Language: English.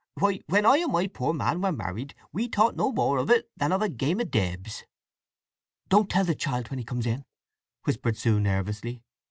Why when I and my poor man were married we thought no more o't than of a game o' dibs!" "Don't tell the child when he comes in," whispered Sue nervously.